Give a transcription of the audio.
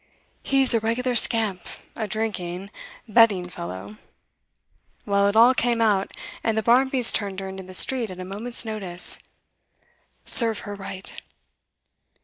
He's a regular scamp, a drinking, betting fellow. Well, it all came out, and the Barmbys turned her into the street at a moment's notice serve her right!